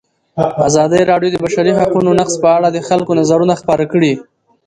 ازادي راډیو د د بشري حقونو نقض په اړه د خلکو نظرونه خپاره کړي.